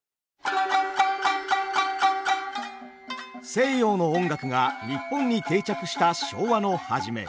西洋の音楽が日本に定着した昭和の初め